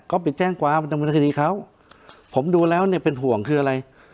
ก็ไปแจ้งความในมนุษยธิเขาผมดูแล้วเนี่ยเป็นห่วงคืออะไร